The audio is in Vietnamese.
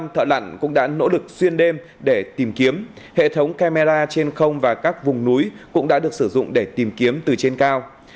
một mươi năm thợ nạn cũng đã nỗ lực xuyên đêm để tìm kiếm hệ thống camera trên không và các vùng núi cũng đã được sử dụng để tìm kiếm từ trên cao